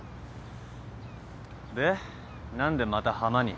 で何でまたハマに？